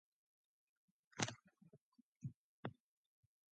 It would become Gaye's only soundtrack and film score.